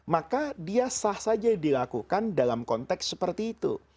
maka dia sah saja dilakukan dalam konteks seperti itu